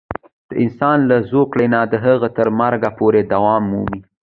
د انسان له زوکړې نه د هغه تر مرګه پورې دوام مومي.